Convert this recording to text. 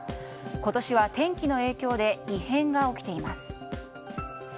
今年は天気の影響で異変が起きています。